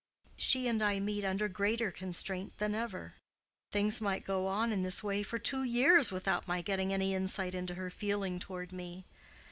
"She and I meet under greater constraint than ever. Things might go on in this way for two years without my getting any insight into her feeling toward me.